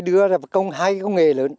dưa ra một công hai công nghệ lớn